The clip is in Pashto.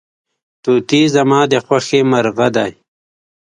توتي زما د خوښې مرغه دی.